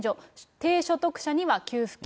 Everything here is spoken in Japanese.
低所得者には給付金。